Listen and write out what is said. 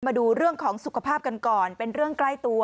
มาดูเรื่องของสุขภาพกันก่อนเป็นเรื่องใกล้ตัว